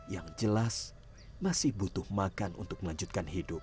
yang jelas masih butuh makan untuk melanjutkan hidup